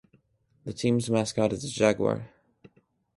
The team's mascot is a Jaguar.